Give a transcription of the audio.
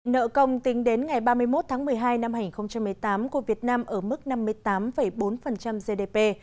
nợ công tính đến ngày ba mươi một tháng một mươi hai năm hai nghìn một mươi tám của việt nam ở mức năm mươi tám bốn gdp